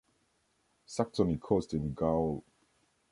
Saxony Coast in Gaul.